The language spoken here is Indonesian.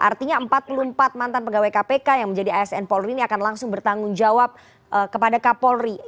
artinya empat puluh empat mantan pegawai kpk yang menjadi asn polri ini akan langsung bertanggung jawab kepada kapolri